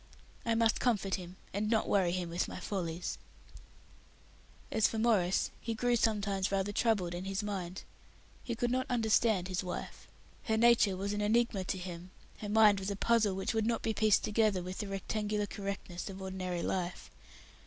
I must comfort him, and not worry him with my follies." As for Maurice, he grew sometimes rather troubled in his mind. He could not understand his wife. Her nature was an enigma to him; her mind was a puzzle which would not be pieced together with the rectangular correctness of ordinary life.